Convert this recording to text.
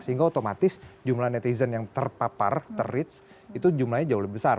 sehingga otomatis jumlah netizen yang terpapar terhich itu jumlahnya jauh lebih besar